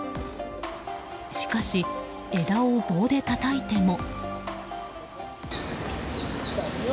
しかし、枝を棒でたたいても。